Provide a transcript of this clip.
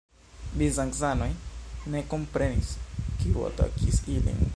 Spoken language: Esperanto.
Bizancanoj ne komprenis, kiu atakis ilin.